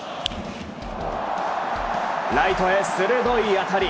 ライトへ鋭い当たり。